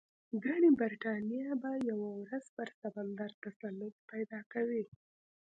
ګنې برېټانیا به یوه ورځ پر سمندر تسلط پیدا کوي.